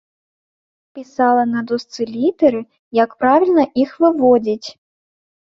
Пісала на дошцы літары, як правільна іх выводзіць.